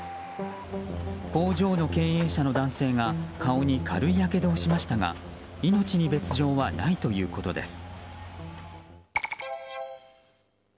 工場の経営者の男性が顔に軽いやけどをしましたが命に別条はないということです。